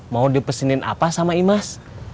mau dipesenin apa sama imas